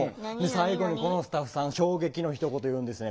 最後にこのスタッフさん衝撃のひと言言うんですね